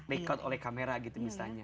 make out oleh kamera gitu misalnya